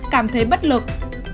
ba cảm thấy bất lực